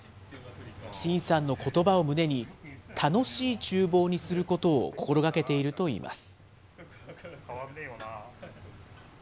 陳さんのことばを胸に、楽しいちゅう房にすることを心がけているといいます。